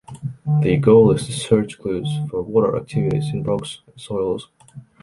The goal is to search clues for water activities in rocks and soils.